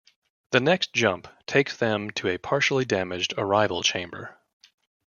The next jump takes them to a partially damaged arrival chamber.